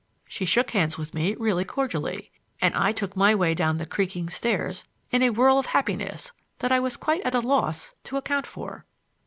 She shook hands with me really cordially, and I took my way down the creaking stairs in a whirl of happiness that I was quite at a loss to account for.